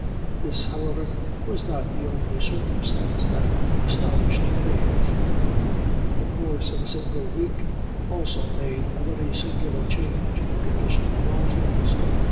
This, however, was not the only circumstance that astonished Mave. The course of a single week also made a very singular change in the condition of the Daltons.